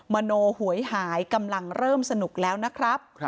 มโนหวยหายกำลังเริ่มสนุกแล้วนะครับ